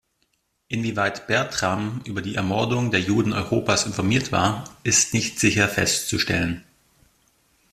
Inwieweit Bertram über die Ermordung der Juden Europas informiert war, ist nicht sicher festzustellen.